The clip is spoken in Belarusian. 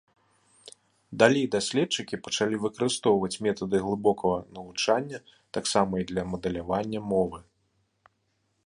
Далей даследчыкі пачалі выкарыстоўваць метады глыбокага навучання таксама і для мадэлявання мовы.